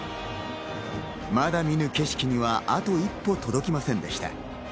まだ見ぬ景色にはあと一歩届きませんでした。